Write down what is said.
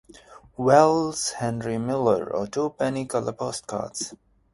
Wells, Henry Miller or twopenny color postcards.